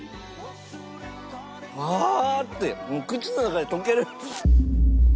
ふわって口の中で溶ける。